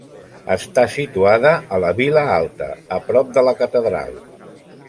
Està situada a la Vila Alta, a prop de la catedral.